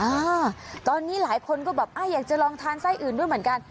อ่าตอนนี้หลายคนก็แบบอ่าอยากจะลองทานไส้อื่นด้วยเหมือนกัน